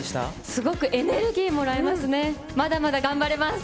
すごくエネルギーもらえますね、まだまだ頑張れます。